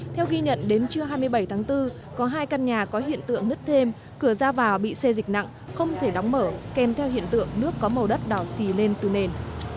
theo ghi nhận đến trưa hai mươi bảy tháng bốn có hai căn nhà có hiện tượng nứt thêm cửa ra vào bị xê dịch nặng không thể đóng mở kèm theo hiện tượng nước có màu đất đỏ xì lên từ nền